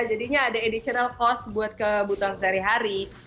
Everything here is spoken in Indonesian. jadinya ada additional cost buat kebutuhan sehari hari